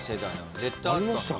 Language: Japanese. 絶対あった。